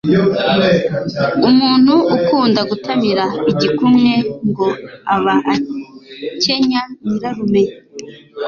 Umuntu ukunda gutamira igikumwe ngo aba akenya Nyirarume